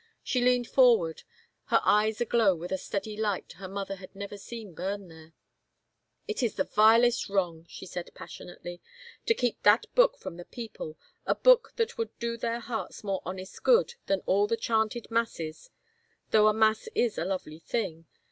She leaned forward, her eyes aglow with a steady light her mother had never seen bum there. " It is the vilest wrong," she said passionately, " to keep that book from the people — a book that would do their hearts more honest good than all the chanted masses — though a mass is a lovely thing.